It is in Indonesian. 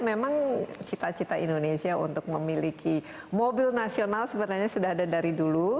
memang cita cita indonesia untuk memiliki mobil nasional sebenarnya sudah ada dari dulu